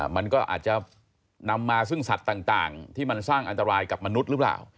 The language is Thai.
มันก็อาจจะนำมาซึ่งสัตว์ต่างที่มันสร้างอันตรายกับมนุษย์หรือเปล่า